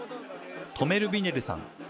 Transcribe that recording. トメル・ビネルさん。